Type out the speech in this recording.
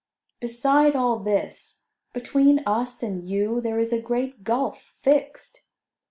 Beside all this, between us and you there is a great gulf fixed."